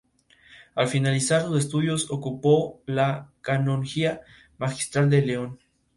Al finalizar sus estudios ocupó la canonjía magistral de León.